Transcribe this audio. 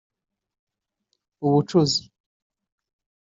ubucuzi